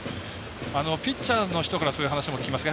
ピッチャーの人からそういう話も聞きますが。